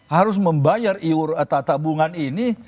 harus membayar tabungan ini